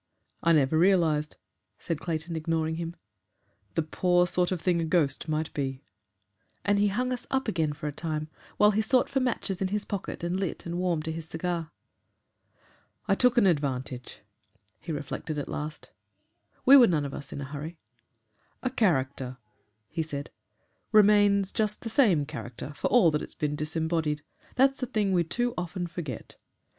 "I never realised," said Clayton, ignoring him, "the poor sort of thing a ghost might be," and he hung us up again for a time, while he sought for matches in his pocket and lit and warmed to his cigar. "I took an advantage," he reflected at last. We were none of us in a hurry. "A character," he said, "remains just the same character for all that it's been disembodied. That's a thing we too often forget.